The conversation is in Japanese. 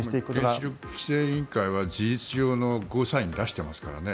原子力規制委員会は事実上のゴーサインを出していますからね。